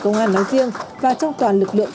công an nói riêng và trong toàn lực lượng